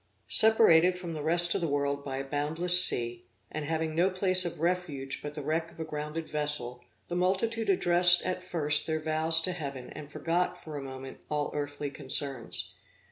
Separated from the rest of the world by a boundless sea, and having no place of refuge but the wreck of a grounded vessel, the multitude addressed at first their vows to heaven, and forgot, for a moment, all earthly concerns.